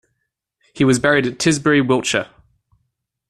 He was buried at Tisbury, Wiltshire.